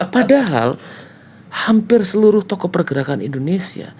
padahal hampir seluruh tokoh pergerakan indonesia